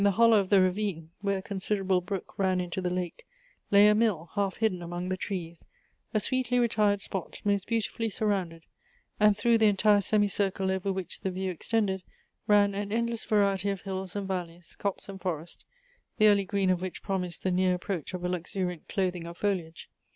hollow of the ravine, where a considerable brook ran into the lake, lay a mill, half hidden among the trees, a sweetly retired spot, most beautifully surrounded ; and through the entire semicircle over which the view extended, ran an endless variety of hills and valleys, copse and forest, the early green of which promised the near approach of a luxuriant clothing of foliage.